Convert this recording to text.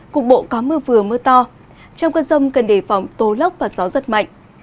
cục bộ có mưa vừa mưa to trong cơn rông cần đề phòng tố lốc và gió rất mạnh